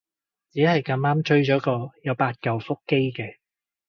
只係咁啱追咗個有八舊腹肌嘅